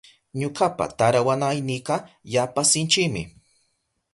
Ñukapa tarawanaynika yapa sinchimi.